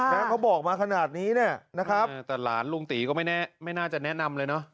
เขาบอกมาขนาดนี้เนี่ยนะครับแต่หลานลุงตีก็ไม่แน่ไม่น่าจะแนะนำเลยเนอะ